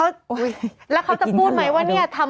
แล้วเขาจะพูดไหมว่าเนี่ยทำ